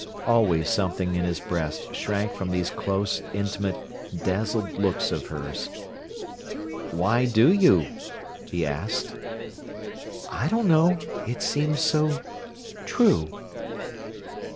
Always something in his breast shrank from these close, intimate, dazzled looks of hers. "Why do you?" he asked. "I don't know. It seems so true."